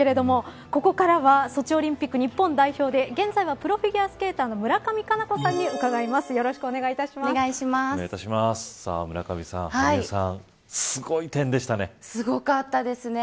ここからはソチオリンピック日本代表で現在はプロフィギュアスケーターの村上さんすごかったですね。